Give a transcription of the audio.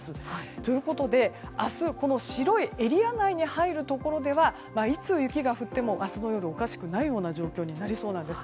ということで、明日白いエリア内に入るところではいつ雪が降っても明日の夜はおかしくない状況になりそうなんです。